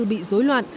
bị rối loạn